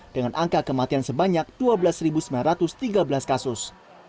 dengan angka kematian sebanyak dua belas sembilan ratus tiga belas kasus